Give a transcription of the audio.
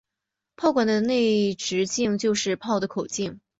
炮管的内直径就是炮的口径。